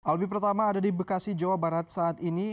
albi pertama ada di bekasi jawa barat saat ini